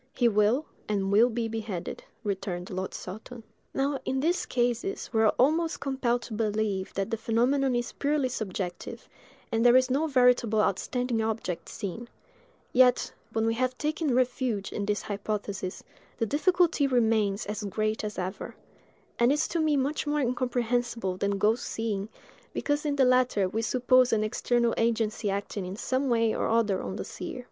"He will, and will be beheaded," returned Lord Saltoun. Now, in these cases we are almost compelled to believe that the phenomenon is purely subjective, and there is no veritable outstanding object seen; yet, when we have taken refuge in this hypothesis, the difficulty remains as great as ever; and is to me much more incomprehensible than ghost seeing, because in the latter we suppose an external agency acting in some way or other on the seer.